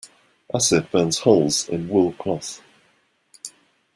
Acid burns holes in wool cloth.